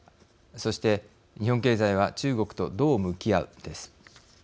そして、日本経済は中国と、どう向き合うです。